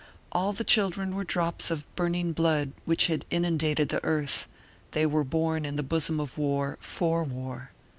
All the children were drops of burning blood which had inundated the earth; they were born in the bosom of war, for war.